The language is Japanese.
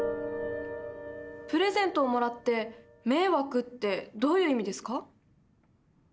プレゼントをもらって「迷惑」ってどういう意味ですか？